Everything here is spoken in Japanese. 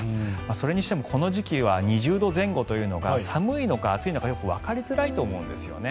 それにしても、この時期は２０度前後というのが寒いのか暑いのかよくわかりづらいと思うんですよね。